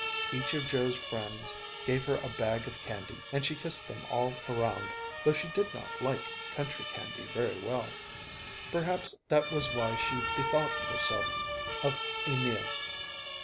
Each of Joe's friends gave her a bag of candy, and she kissed them all around, though she did not like country candy very well. Perhaps that was why she bethought herself of Emil.